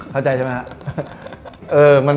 เข้าใจใช่ไหมฮะ